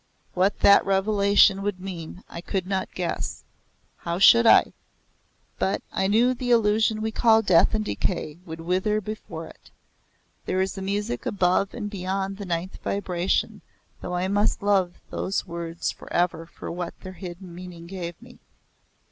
What that revelation would mean I could not guess how should I? but I knew the illusion we call death and decay would wither before it. There is a music above and beyond the Ninth Vibration though I must love those words for ever for what their hidden meaning gave me.